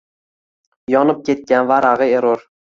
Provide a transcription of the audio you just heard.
Yonib ketgan varagʻi erur.